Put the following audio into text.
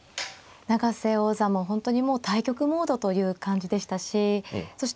永瀬王座も本当にもう対局モードという感じでしたしそして